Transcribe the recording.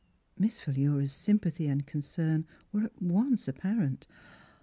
'' Miss Philura's sympathy and concern were at once apparent.